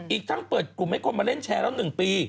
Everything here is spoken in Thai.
อีกทั้งเปิดกลุ่มให้คนมาเล่นแชร์แล้ว๑ปี